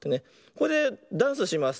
これでダンスします。